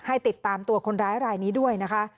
ติดตามตัวคนร้ายรายนี้ด้วยนะคะ